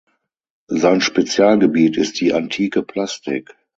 Sein Spezialgebiet ist die antike Plastik.